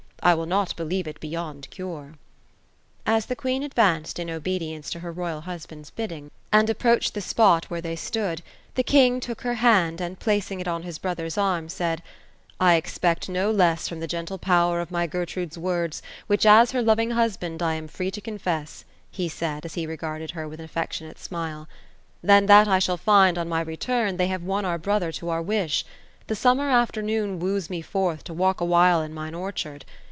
I will not believe it beyond cure." As the queen advanced in obedience to her royal husband's bidding. 246 OPHELIA ; and approached the spot where thej stood, the king took her hand, and placing it on bis brother's arm, said :'* I expect no less from the gentle power of mj Gertrude's words, which as her loving husband I am free to confess," he said, as he regarded her with an affectionate smile, than that I shall find, on mj return, they haye won our brother to our wish. The summer afternoon wooes me forth, to walk awhile in mine orchard.